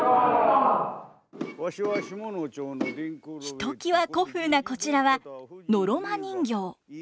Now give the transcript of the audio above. ひときわ古風なこちらはのろま人形。